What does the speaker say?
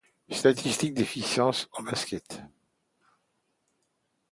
Statistiques d'efficience en basket.